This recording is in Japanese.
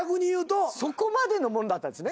そこまでのもんだったんですね。